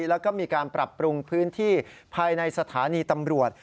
แล้วก็มีการปรับปรุงพื้นที่ภายในสถานีตำรวจ